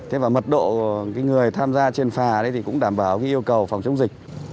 thế và mật độ người tham gia trên phà cũng đảm bảo yêu cầu phòng chống dịch